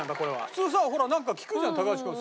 普通さほらなんか聞くじゃん高橋君。